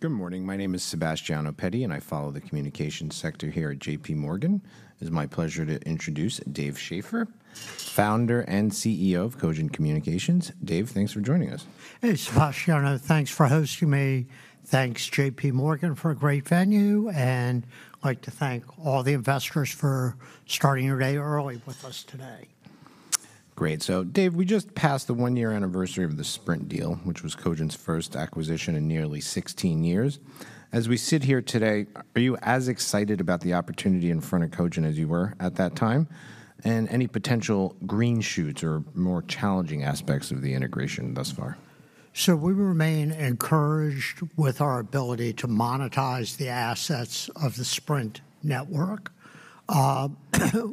Good morning. My name is Sebastiano Petti, and I follow the communications sector here at JPMorgan. It is my pleasure to introduce Dave Schaeffer, founder and CEO of Cogent Communications. Dave, thanks for joining us. Hey, Sebastiano, thanks for hosting me. Thanks, JPMorgan, for a great venue, and I'd like to thank all the investors for starting your day early with us today. Great. So Dave, we just passed the one-year anniversary of the Sprint deal, which was Cogent's first acquisition in nearly 16 years. As we sit here today, are you as excited about the opportunity in front of Cogent as you were at that time? And any potential green shoots or more challenging aspects of the integration thus far? So we remain encouraged with our ability to monetize the assets of the Sprint network.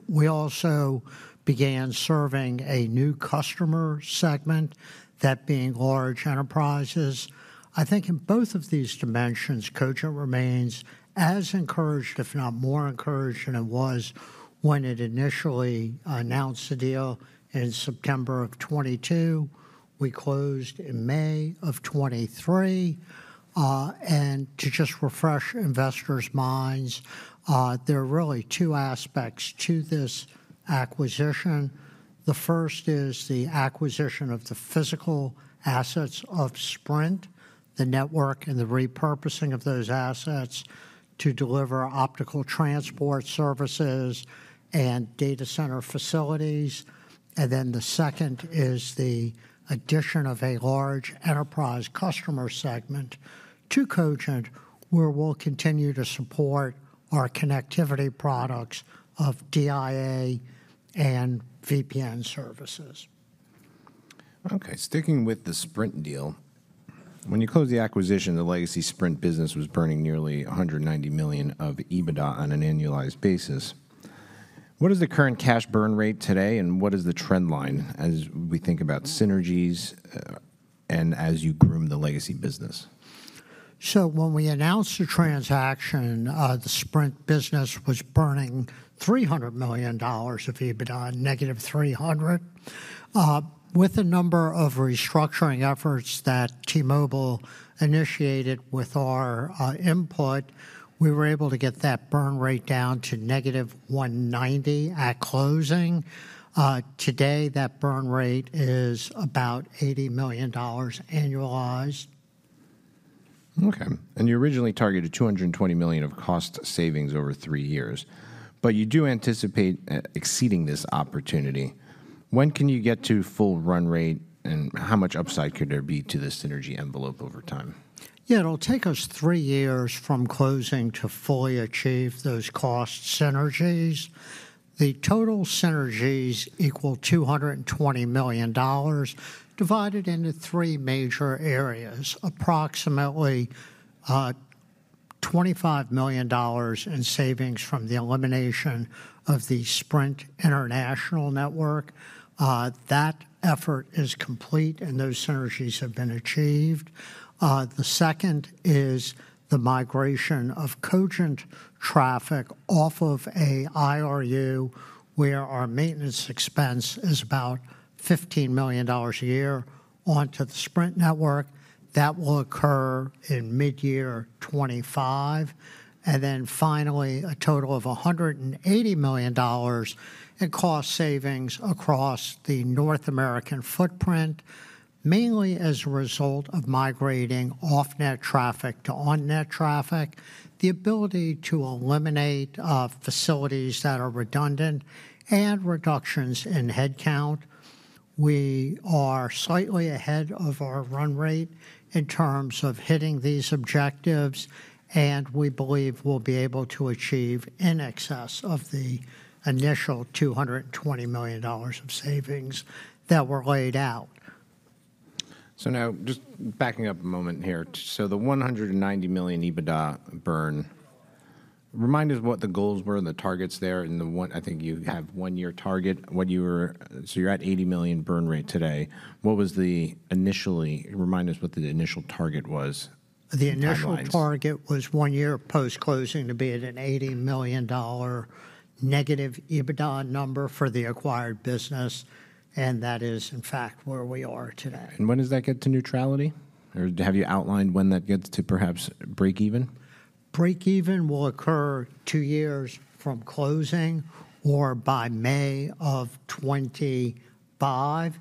We also began serving a new customer segment, that being large enterprises. I think in both of these dimensions, Cogent remains as encouraged, if not more encouraged, than it was when it initially announced the deal in September of 2022. We closed in May of 2023. And to just refresh investors' minds, there are really two aspects to this acquisition. The first is the acquisition of the physical assets of Sprint, the network, and the repurposing of those assets to deliver optical transport services and data center facilities. And then the second is the addition of a large enterprise customer segment to Cogent, where we'll continue to support our connectivity products of DIA and VPN services. Okay, sticking with the Sprint deal, when you closed the acquisition, the legacy Sprint business was burning nearly $190 million of EBITDA on an annualized basis. What is the current cash burn rate today, and what is the trend line as we think about synergies and as you groom the legacy business? So when we announced the transaction, the Sprint business was burning $300 million of EBITDA, negative $300 million. With a number of restructuring efforts that T-Mobile initiated with our input, we were able to get that burn rate down to negative $190 million at closing. Today, that burn rate is about $80 million annualized. Okay, and you originally targeted $220 million of cost savings over three years, but you do anticipate exceeding this opportunity. When can you get to full run rate, and how much upside could there be to the synergy envelope over time? Yeah, it'll take us three years from closing to fully achieve those cost synergies. The total synergies equal $220 million, divided into three major areas: approximately $25 million in savings from the elimination of the Sprint international network. That effort is complete, and those synergies have been achieved. The second is the migration of Cogent traffic off of a IRU, where our maintenance expense is about $15 million a year, onto the Sprint network. That will occur in mid-year 2025. And then finally, a total of $180 million in cost savings across the North American footprint, mainly as a result of migrating off-net traffic to on-net traffic, the ability to eliminate facilities that are redundant, and reductions in headcount. We are slightly ahead of our run rate in terms of hitting these objectives, and we believe we'll be able to achieve in excess of the initial $220 million of savings that were laid out. So now, just backing up a moment here, so the $190 million EBITDA burn, remind us what the goals were and the targets there and the one—I think you have a one-year target, what you were... So you're at $80 million burn rate today. What was the initially—remind us what the initial target was, the timelines. The initial target was one year post-closing to be at an $80 million negative EBITDA number for the acquired business, and that is, in fact, where we are today. When does that get to neutrality, or have you outlined when that gets to perhaps breakeven? Breakeven will occur two years from closing or by May of 2025,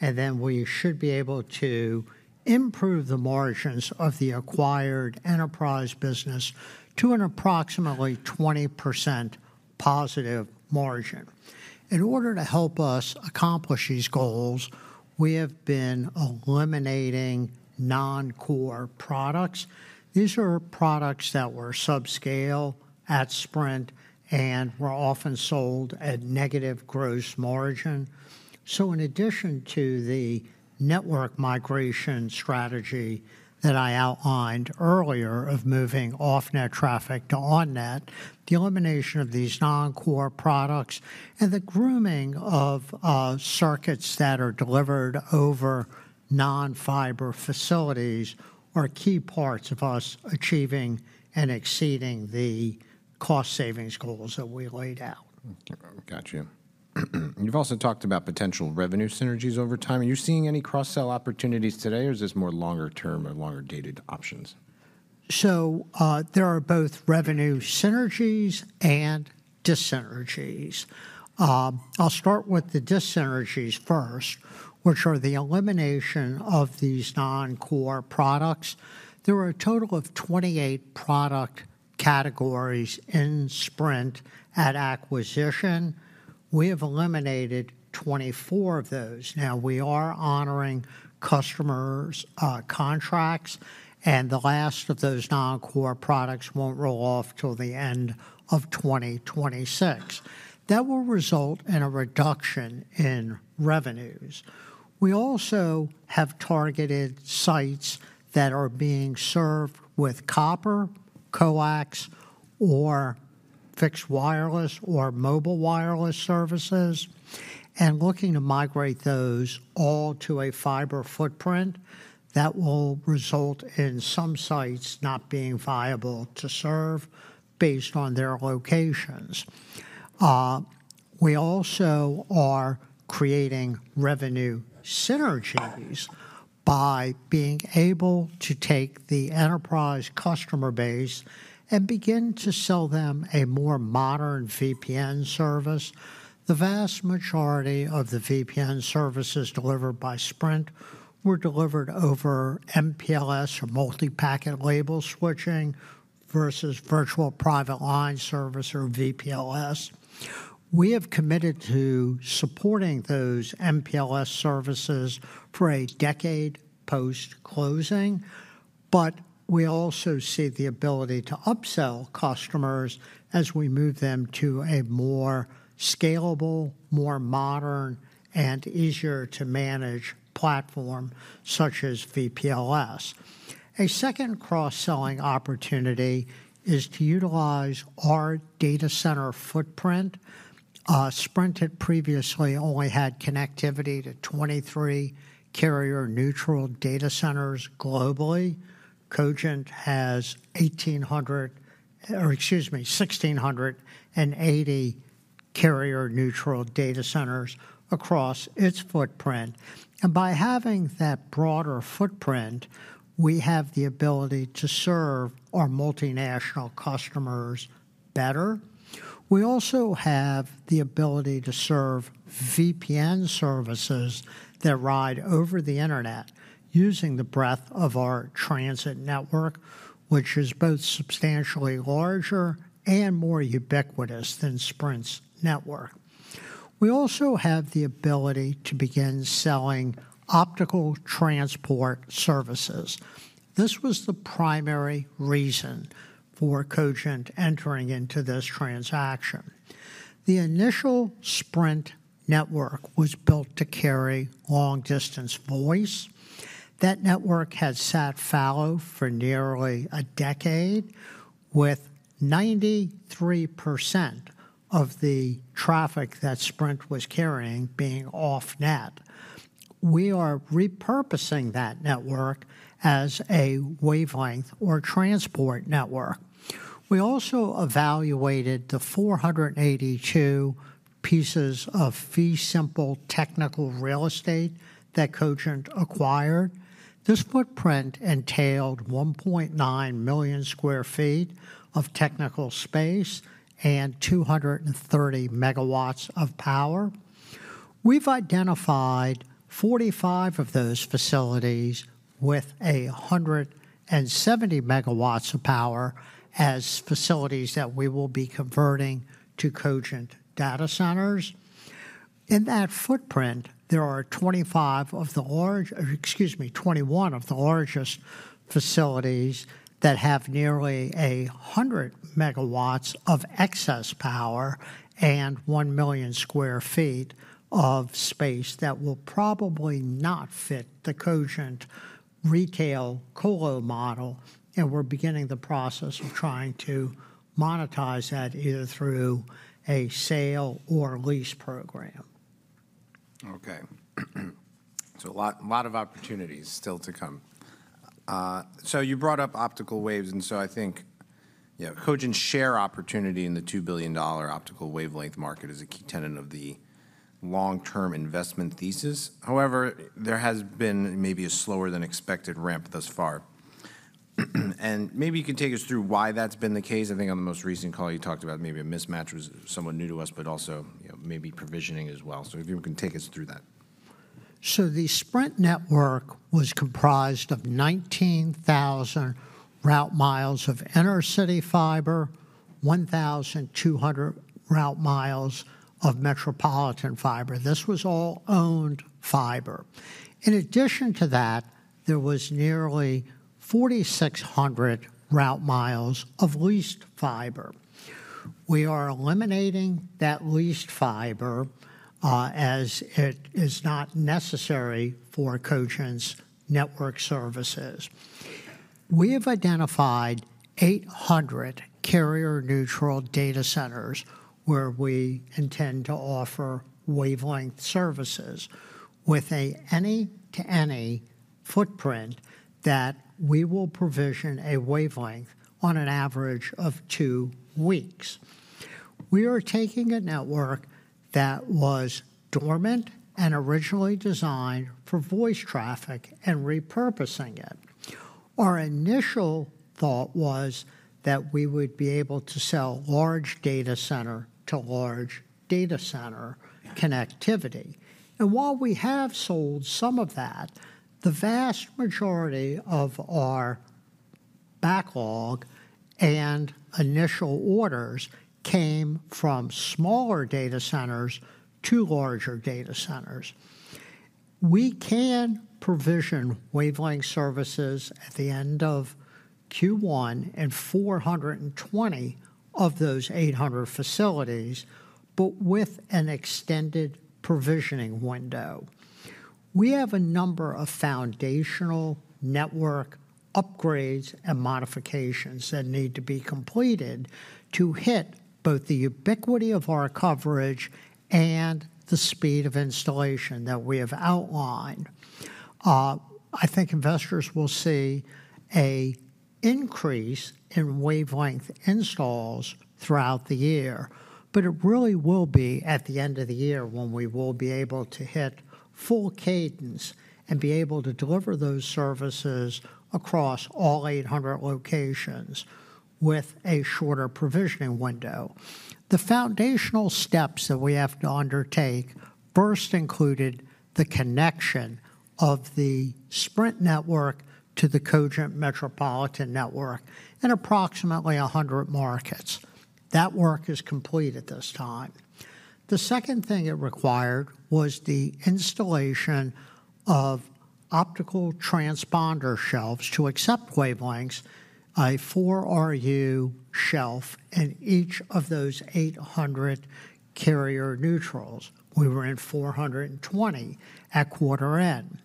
and then we should be able to improve the margins of the acquired enterprise business to an approximately 20% positive margin. In order to help us accomplish these goals, we have been eliminating non-core products. These are products that were subscale at Sprint and were often sold at negative gross margin. So in addition to the network migration strategy that I outlined earlier of moving off-net traffic to on-net, the elimination of these non-core products and the grooming of circuits that are delivered over non-fiber facilities are key parts of us achieving and exceeding the cost savings goals that we laid out. Gotcha. You've also talked about potential revenue synergies over time. Are you seeing any cross-sell opportunities today, or is this more longer term and longer-dated options? So, there are both revenue synergies and dissynergies. I'll start with the dissynergies first, which are the elimination of these non-core products. There were a total of 28 product categories in Sprint at acquisition. We have eliminated 24 of those. Now, we are honoring customers' contracts, and the last of those non-core products won't roll off till the end of 2026. That will result in a reduction in revenues. We also have targeted sites that are being served with copper, coax, or fixed wireless or mobile wireless services, and looking to migrate those all to a fiber footprint that will result in some sites not being viable to serve based on their locations. We also are creating revenue synergies by being able to take the enterprise customer base and begin to sell them a more modern VPN service. The vast majority of the VPN services delivered by Sprint were delivered over MPLS, or multiprotocol label switching, versus virtual private LAN service, or VPLS. We have committed to supporting those MPLS services for a decade post-closing, but we also see the ability to upsell customers as we move them to a more scalable, more modern, and easier-to-manage platform, such as VPLS. A second cross-selling opportunity is to utilize our data center footprint. Sprint had previously only had connectivity to 23 carrier-neutral data centers globally. Cogent has 1,800, or excuse me, 1,680 carrier-neutral data centers across its footprint. And by having that broader footprint, we have the ability to serve our multinational customers better. We also have the ability to serve VPN services that ride over the internet using the breadth of our transit network, which is both substantially larger and more ubiquitous than Sprint's network. We also have the ability to begin selling optical transport services. This was the primary reason for Cogent entering into this transaction. The initial Sprint network was built to carry long-distance voice. That network has sat fallow for nearly a decade, with 93% of the traffic that Sprint was carrying being off-net. We are repurposing that network as a wavelength or transport network. We also evaluated the 482 pieces of fee-simple technical real estate that Cogent acquired. This footprint entailed 1.9 million sq ft of technical space and 230 megawatts of power. We've identified 45 of those facilities with 170 MW of power as facilities that we will be converting to Cogent data centers. In that footprint, there are 25 of the large, or excuse me, 21 of the largest facilities that have nearly 100 MW of excess power and 1 million sq ft of space that will probably not fit the Cogent retail colo model, and we're beginning the process of trying to monetize that, either through a sale or lease program. Okay. So a lot, a lot of opportunities still to come. So you brought up optical waves, and so I think, you know, Cogent's share opportunity in the $2 billion optical wavelength market is a key tenet of the long-term investment thesis. However, there has been maybe a slower-than-expected ramp thus far. And maybe you can take us through why that's been the case. I think on the most recent call, you talked about maybe a mismatch was somewhat new to us, but also, you know, maybe provisioning as well. So if you can take us through that. So the Sprint network was comprised of 19,000 route miles of inter-city fiber, 1,200 route miles of metropolitan fiber. This was all owned fiber. In addition to that, there was nearly 4,600 route miles of leased fiber. We are eliminating that leased fiber, as it is not necessary for Cogent's network services. We have identified 800 carrier-neutral data centers where we intend to offer wavelength services with a any-to-any footprint that we will provision a wavelength on an average of two weeks. We are taking a network that was dormant and originally designed for voice traffic and repurposing it. Our initial thought was that we would be able to sell large data center to large data center connectivity. And while we have sold some of that, the vast majority of our backlog and initial orders came from smaller data centers to larger data centers. We can provision wavelength services at the end of Q1 in 420 of those 800 facilities, but with an extended provisioning window. We have a number of foundational network upgrades and modifications that need to be completed to hit both the ubiquity of our coverage and the speed of installation that we have outlined. I think investors will see an increase in wavelength installs throughout the year, but it really will be at the end of the year when we will be able to hit full cadence and be able to deliver those services across all 800 locations with a shorter provisioning window. The foundational steps that we have to undertake first included the connection of the Sprint network to the Cogent metropolitan network in approximately 100 markets. That work is complete at this time. The second thing it required was the installation of optical transponder shelves to accept wavelengths, a 4 RU shelf in each of those 800 carrier neutrals. We were in 420 at quarter end.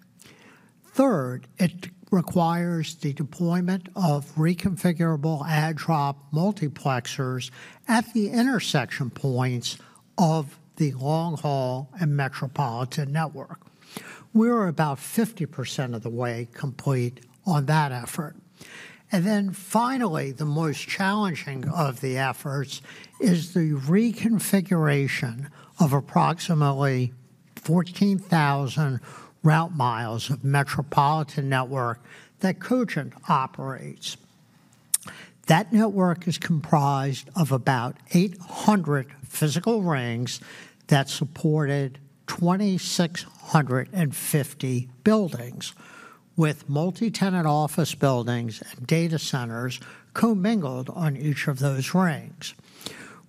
Third, it requires the deployment of reconfigurable add-drop multiplexers at the intersection points of the long-haul and metropolitan network. We're about 50% of the way complete on that effort. And then finally, the most challenging of the efforts is the reconfiguration of approximately 14,000 route miles of metropolitan network that Cogent operates. That network is comprised of about 800 physical rings that supported 2,650 buildings, with multi-tenant office buildings and data centers commingled on each of those rings.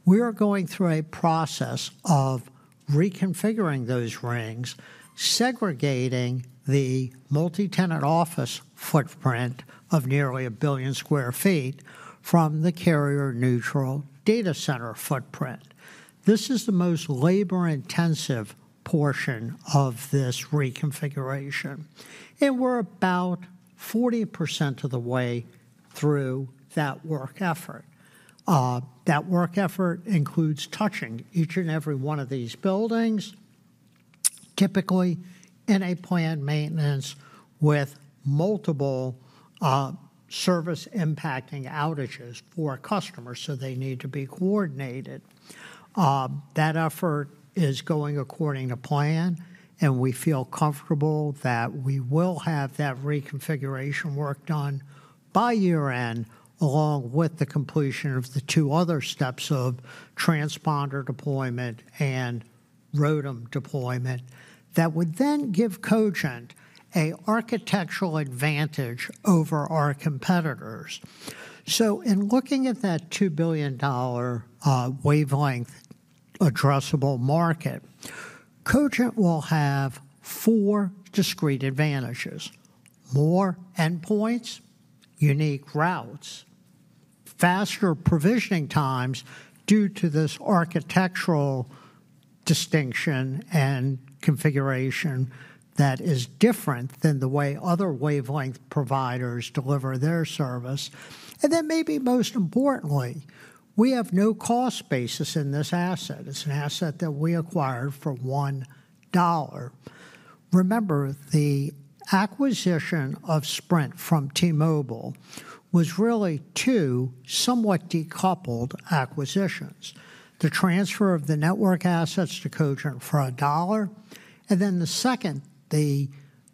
We are going through a process of reconfiguring those rings, segregating the multi-tenant office footprint of nearly 1 billion sq ft from the carrier-neutral data center footprint. This is the most labor-intensive portion of this reconfiguration, and we're about 40% of the way through that work effort. That work effort includes touching each and every one of these buildings, typically in a planned maintenance with multiple, service-impacting outages for customers, so they need to be coordinated. That effort is going according to plan, and we feel comfortable that we will have that reconfiguration work done by year-end, along with the completion of the two other steps of transponder deployment and ROADM deployment. That would then give Cogent a architectural advantage over our competitors. So in looking at that $2 billion wavelength addressable market, Cogent will have four discrete advantages: more endpoints, unique routes, faster provisioning times due to this architectural distinction and configuration that is different than the way other wavelength providers deliver their service, and then maybe most importantly, we have no cost basis in this asset. It's an asset that we acquired for $1. Remember, the acquisition of Sprint from T-Mobile was really two somewhat decoupled acquisitions: the transfer of the network assets to Cogent for $1, and then the second, the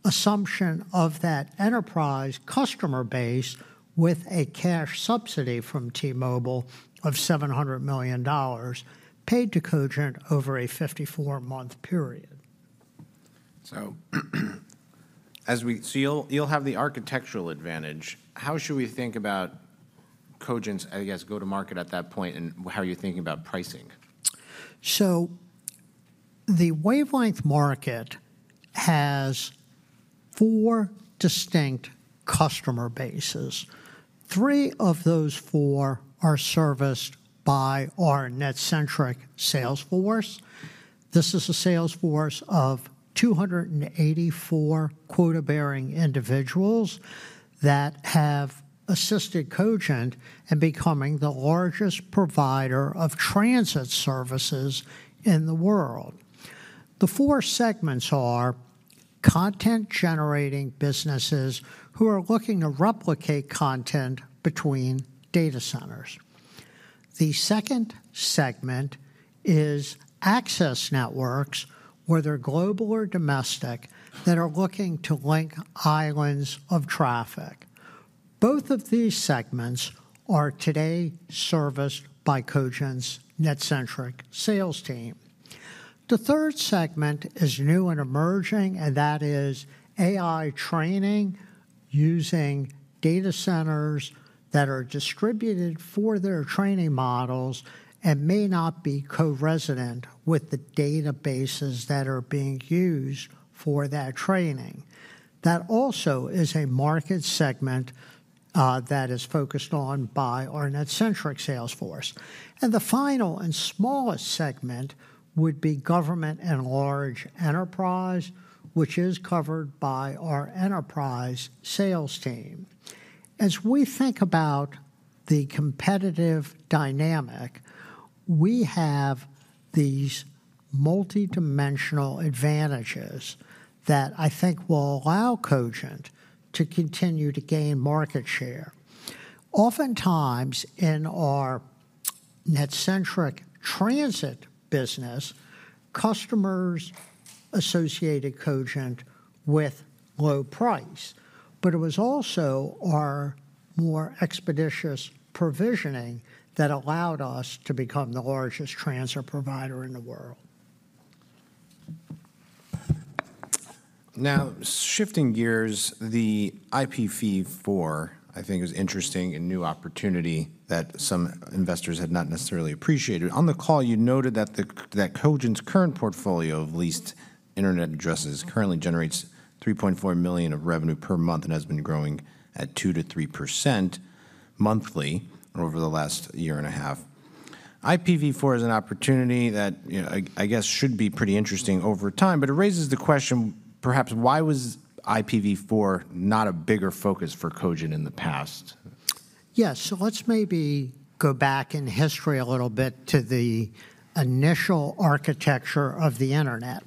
assumption of that enterprise customer base with a cash subsidy from T-Mobile of $700 million, paid to Cogent over a 54-month period. So you'll have the architectural advantage. How should we think about Cogent's, I guess, go-to-market at that point, and how are you thinking about pricing? So the wavelength market has four distinct customer bases. Three of those four are serviced by our NetCentric sales force. This is a sales force of 284 quota-bearing individuals that have assisted Cogent in becoming the largest provider of transit services in the world. The four segments are: content-generating businesses who are looking to replicate content between data centers. The second segment is access networks, whether global or domestic, that are looking to link islands of traffic. Both of these segments are today serviced by Cogent's NetCentric sales team. The third segment is new and emerging, and that is AI training using data centers that are distributed for their training models and may not be co-resident with the databases that are being used for that training. That also is a market segment that is focused on by our NetCentric sales force. The final and smallest segment would be government and large enterprise, which is covered by our enterprise sales team. As we think about the competitive dynamic, we have these multidimensional advantages that I think will allow Cogent to continue to gain market share. Oftentimes, in our NetCentric transit business, customers associated Cogent with low price, but it was also our more expeditious provisioning that allowed us to become the largest transit provider in the world. Now, shifting gears, the IPv4, I think, is interesting and new opportunity that some investors had not necessarily appreciated. On the call, you noted that that Cogent's current portfolio of leased internet addresses currently generates $3.4 million of revenue per month and has been growing at 2%-3% monthly over the last year and a half. IPv4 is an opportunity that, you know, I, I guess should be pretty interesting over time, but it raises the question, perhaps: why was IPv4 not a bigger focus for Cogent in the past? Yes. So let's maybe go back in history a little bit to the initial architecture of the internet.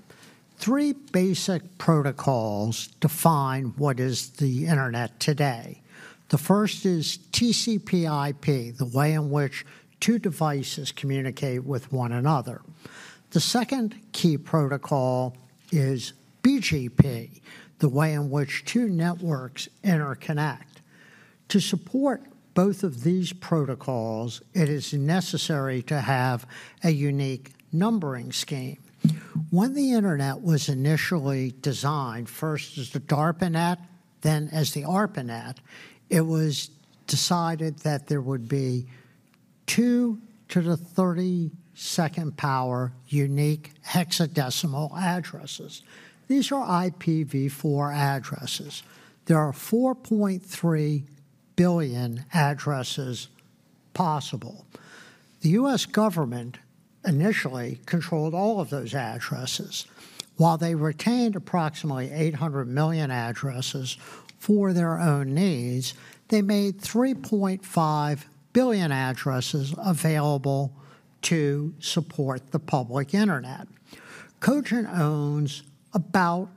Three basic protocols define what is the internet today. The first is TCP/IP, the way in which two devices communicate with one another. The second key protocol is BGP, the way in which two networks interconnect. To support both of these protocols, it is necessary to have a unique numbering scheme. When the internet was initially designed, first as the DARPAnet, then as the ARPANET, it was decided that there would be 2 to the 32nd power unique hexadecimal addresses. These are IPv4 addresses. There are 4.3 billion addresses possible. The U.S. government initially controlled all of those addresses. While they retained approximately 800 million addresses for their own needs, they made 3.5 billion addresses available to support the public internet. Cogent owns about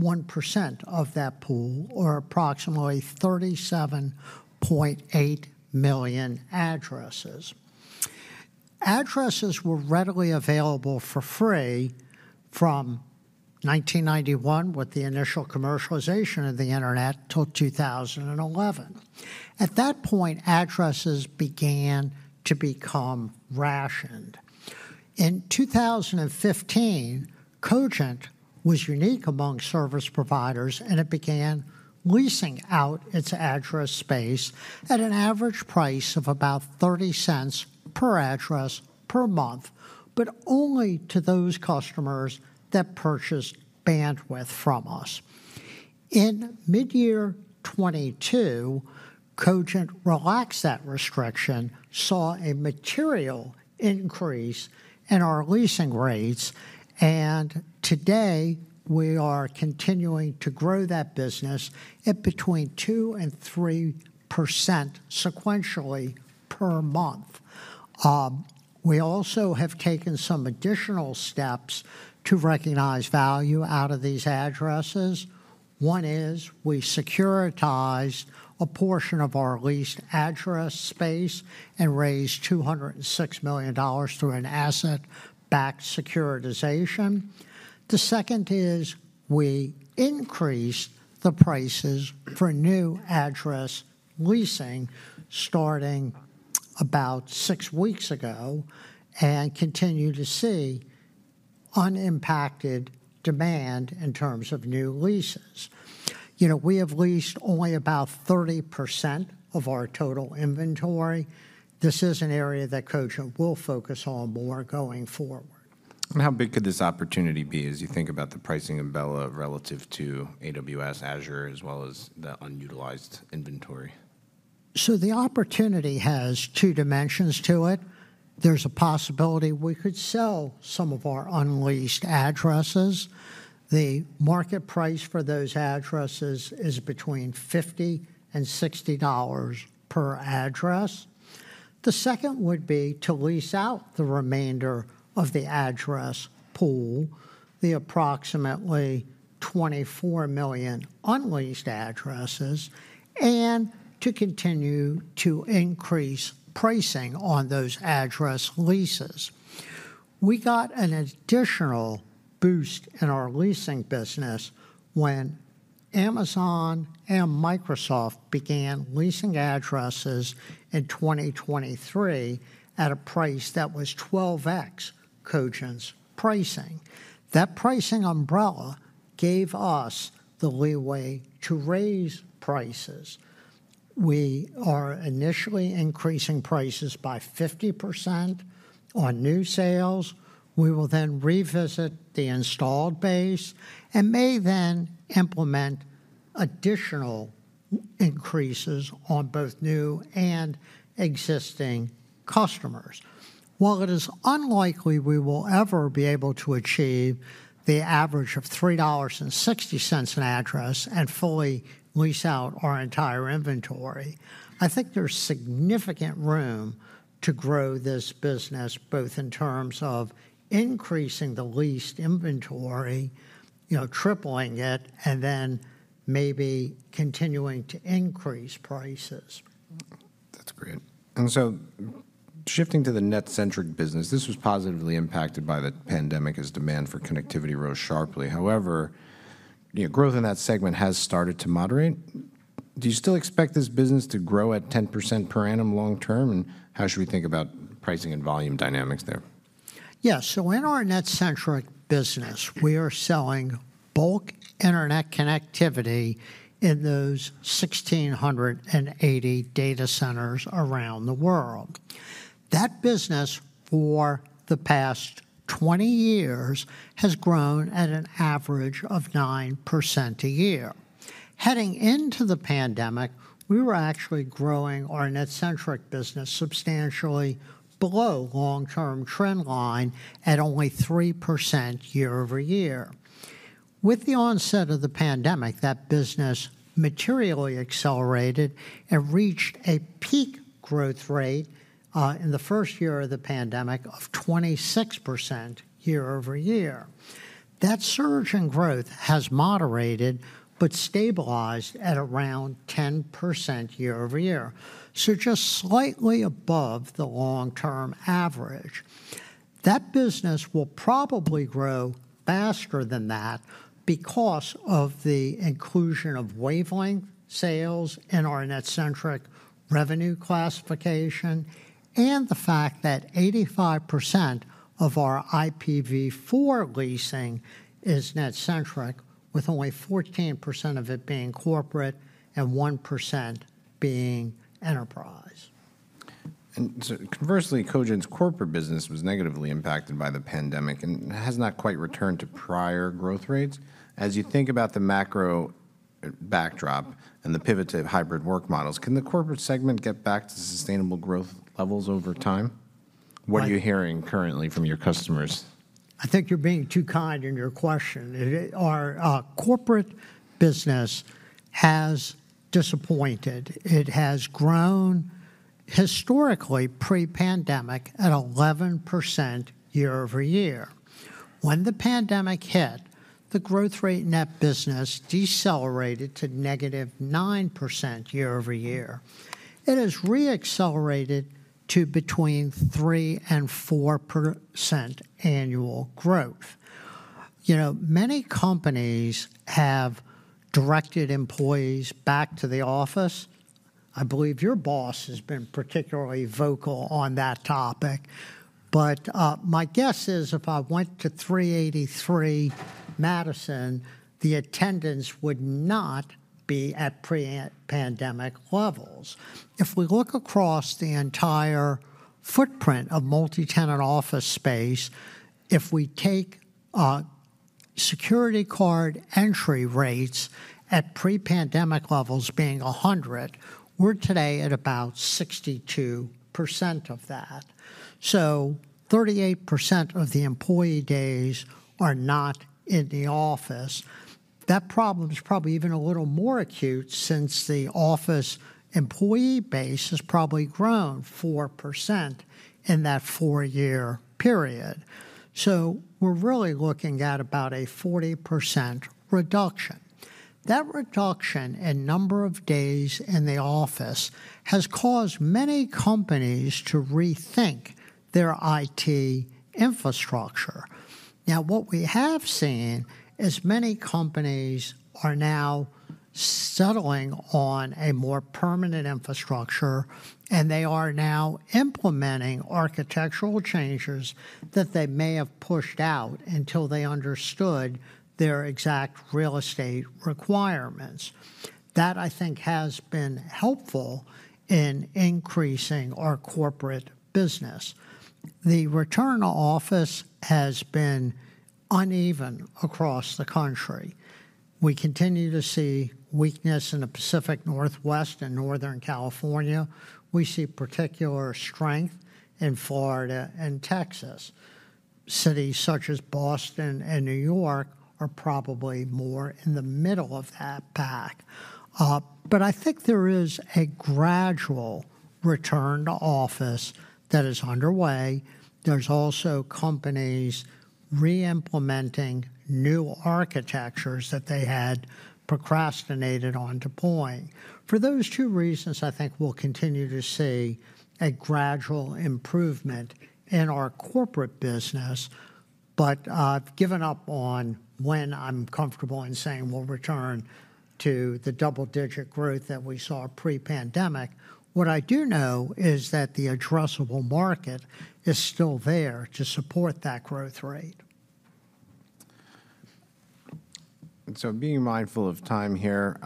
1% of that pool, or approximately 37.8 million addresses. Addresses were readily available for free from 1991, with the initial commercialization of the internet, till 2011. At that point, addresses began to become rationed. In 2015, Cogent was unique among service providers, and it began leasing out its address space at an average price of about $0.30 per address per month, but only to those customers that purchased bandwidth from us. In mid-year 2022, Cogent relaxed that restriction, saw a material increase in our leasing rates, and today we are continuing to grow that business at between 2% and 3% sequentially per month. We also have taken some additional steps to recognize value out of these addresses. One is we securitized a portion of our leased address space and raised $206 million through an asset-backed securitization. The second is we increased the prices for new address leasing starting about 6 weeks ago and continue to see unimpacted demand in terms of new leases. You know, we have leased only about 30% of our total inventory. This is an area that Cogent will focus on more going forward. How big could this opportunity be as you think about the pricing umbrella relative to AWS, Azure, as well as the unutilized inventory?... So the opportunity has two dimensions to it. There's a possibility we could sell some of our unleased addresses. The market price for those addresses is between $50 and $60 per address. The second would be to lease out the remainder of the address pool, the approximately 24 million unleased addresses, and to continue to increase pricing on those address leases. We got an additional boost in our leasing business when Amazon and Microsoft began leasing addresses in 2023 at a price that was 12x Cogent's pricing. That pricing umbrella gave us the leeway to raise prices. We are initially increasing prices by 50% on new sales. We will then revisit the installed base, and may then implement additional increases on both new and existing customers. While it is unlikely we will ever be able to achieve the average of $3.60 an address and fully lease out our entire inventory, I think there's significant room to grow this business, both in terms of increasing the leased inventory, you know, tripling it, and then maybe continuing to increase prices. That's great. Shifting to the NetCentric business, this was positively impacted by the pandemic as demand for connectivity rose sharply. However, you know, growth in that segment has started to moderate. Do you still expect this business to grow at 10% per annum long term, and how should we think about pricing and volume dynamics there? Yeah. So in our NetCentric business, we are selling bulk internet connectivity in those 1,680 data centers around the world. That business, for the past 20 years, has grown at an average of 9% a year. Heading into the pandemic, we were actually growing our NetCentric business substantially below long-term trend line at only 3% year-over-year. With the onset of the pandemic, that business materially accelerated and reached a peak growth rate, in the first year of the pandemic of 26% year-over-year. That surge in growth has moderated but stabilized at around 10% year-over-year, so just slightly above the long-term average. That business will probably grow faster than that because of the inclusion of wavelength sales in our NetCentric revenue classification, and the fact that 85% of our IPv4 leasing is NetCentric, with only 14% of it being corporate and 1% being enterprise. So conversely, Cogent's corporate business was negatively impacted by the pandemic and has not quite returned to prior growth rates. As you think about the macro backdrop and the pivot to hybrid work models, can the corporate segment get back to sustainable growth levels over time? I- What are you hearing currently from your customers? I think you're being too kind in your question. It, our, corporate business has disappointed. It has grown historically pre-pandemic at 11% year-over-year. When the pandemic hit, the growth rate in that business decelerated to -9% year-over-year. It has re-accelerated to between 3%-4% annual growth. You know, many companies have directed employees back to the office. I believe your boss has been particularly vocal on that topic. But, my guess is if I went to 383 Madison, the attendance would not be at pre-pandemic levels. If we look across the entire footprint of multi-tenant office space, if we take, security card entry rates at pre-pandemic levels being 100, we're today at about 62% of that, so 38% of the employee days are not in the office. That problem is probably even a little more acute since the office employee base has probably grown 4% in that four-year period, so we're really looking at about a 40% reduction. That reduction in number of days in the office has caused many companies to rethink their IT infrastructure. Now, what we have seen is many companies are now settling on a more permanent infrastructure, and they are now implementing architectural changes that they may have pushed out until they understood their exact real estate requirements. That, I think, has been helpful in increasing our corporate business. The return to office has been uneven across the country. We continue to see weakness in the Pacific Northwest and Northern California. We see particular strength in Florida and Texas. Cities such as Boston and New York are probably more in the middle of that pack. But I think there is a gradual return to office that is underway. There's also companies re-implementing new architectures that they had procrastinated on deploying. For those two reasons, I think we'll continue to see a gradual improvement in our corporate business, but I've given up on when I'm comfortable in saying we'll return to the double-digit growth that we saw pre-pandemic. What I do know is that the addressable market is still there to support that growth rate. And so being mindful of time here,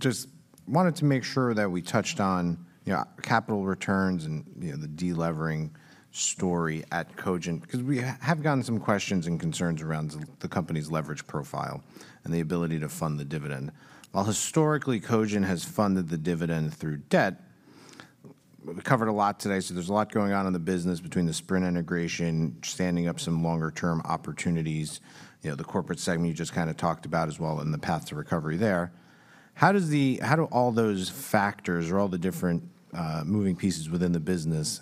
just wanted to make sure that we touched on, you know, capital returns and, you know, the de-levering story at Cogent, because we have gotten some questions and concerns around the, the company's leverage profile and the ability to fund the dividend. While historically Cogent has funded the dividend through debt, we covered a lot today, so there's a lot going on in the business between the Sprint integration, standing up some longer-term opportunities, you know, the corporate segment you just kind of talked about as well, and the path to recovery there. How do all those factors or all the different, moving pieces within the business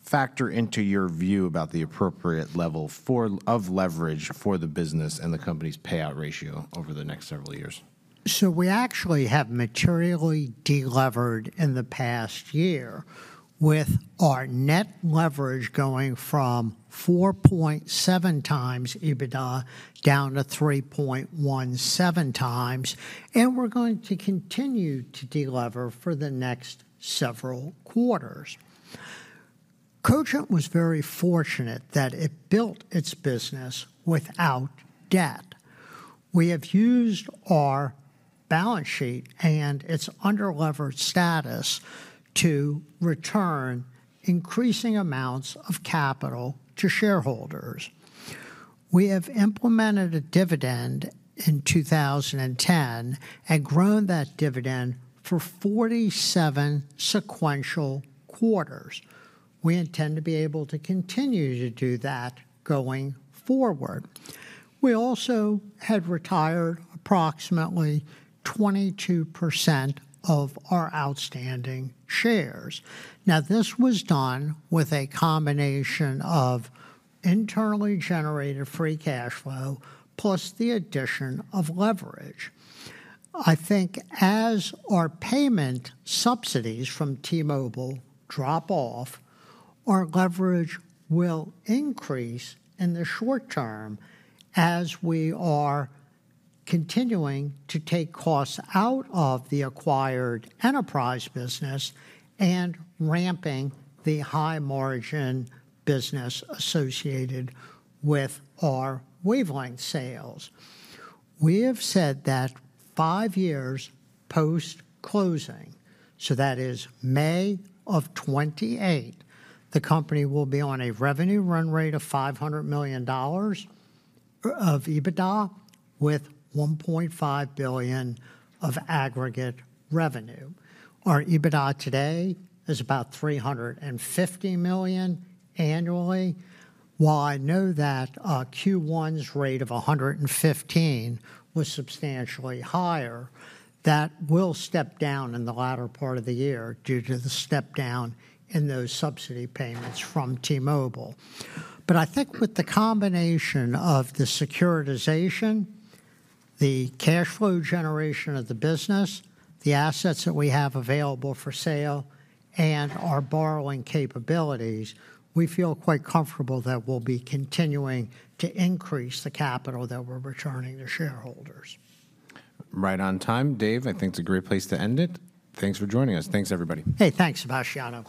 factor into your view about the appropriate level for, of leverage for the business and the company's payout ratio over the next several years? So we actually have materially de-levered in the past year, with our net leverage going from 4.7 times EBITDA down to 3.17 times, and we're going to continue to de-lever for the next several quarters. Cogent was very fortunate that it built its business without debt. We have used our balance sheet and its under-levered status to return increasing amounts of capital to shareholders. We have implemented a dividend in 2010 and grown that dividend for 47 sequential quarters. We intend to be able to continue to do that going forward. We also have retired approximately 22% of our outstanding shares. Now, this was done with a combination of internally generated free cash flow, plus the addition of leverage. I think as our payment subsidies from T-Mobile drop off, our leverage will increase in the short term as we are continuing to take costs out of the acquired enterprise business and ramping the high-margin business associated with our wavelength sales. We have said that 5 years post-closing, so that is May of 2028, the company will be on a revenue run rate of $500 million of EBITDA, with $1.5 billion of aggregate revenue. Our EBITDA today is about $350 million annually. While I know that, Q1's rate of $115 million was substantially higher, that will step down in the latter part of the year due to the step down in those subsidy payments from T-Mobile. But I think with the combination of the securitization, the cash flow generation of the business, the assets that we have available for sale, and our borrowing capabilities, we feel quite comfortable that we'll be continuing to increase the capital that we're returning to shareholders. Right on time, Dave, I think it's a great place to end it. Thanks for joining us. Thanks, everybody. Hey, thanks, Sebastiano.